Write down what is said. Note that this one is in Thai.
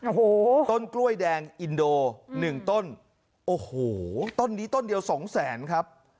โอ้โหต้นกล้วยแดงอินโดหนึ่งต้นโอ้โหต้นนี้ต้นเดียวสองแสนครับ